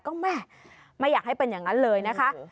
ก็แม่ไม่อยากให้เป็นอย่างนั้นเลยนะคะ